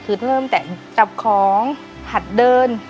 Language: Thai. คือเริ่มแต่จับของหัดเดิน